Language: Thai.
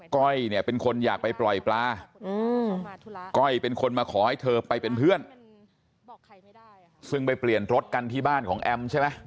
ก้อยเนี่ยเป็นคนอยากไปปล่อยปลาก้อยเป็นคนมาขอให้เธอไปเป็นเพื่อนซึ่งไปเปลี่ยนรถกันที่บ้านของแอมใช่ไหม